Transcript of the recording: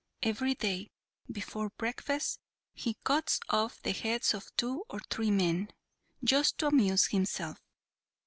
Every day, before breakfast, he cuts off the heads of two or three men, just to amuse himself.